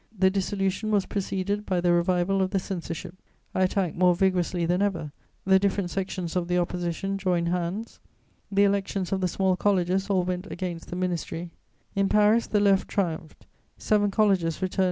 The dissolution was preceded by the revival of the censorship. I attacked more vigorously than ever; the different sections of the Opposition joined hands; the elections of the small colleges all went against the ministry; in Paris, the Left triumphed; seven colleges returned M.